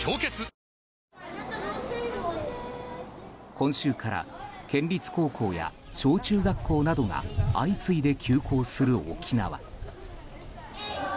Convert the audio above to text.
今週から県立高校や小中学校などが相次いで休校する沖縄。